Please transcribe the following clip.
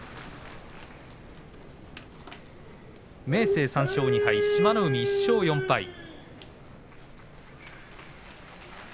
生３勝２敗志摩ノ海１勝４敗です。